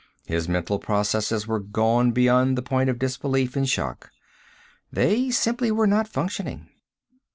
His mental processes were gone beyond the point of disbelief and shock; they simply were not functioning.